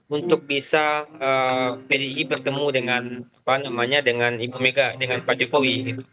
untuk bisa pdip bertemu dengan apa namanya dengan ibu mega dengan pak jokowi